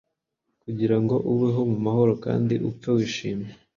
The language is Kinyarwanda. Kugira ngo ubeho mu mahoro kandi upfe wishimye'.